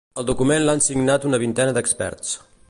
El document l’han signat una vintena d’experts.